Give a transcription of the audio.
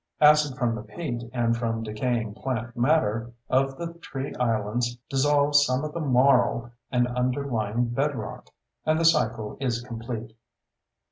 Acid from the peat and from decaying plant matter of the tree islands dissolves some of the marl and underlying bedrock—and the cycle is complete.